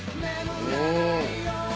うん。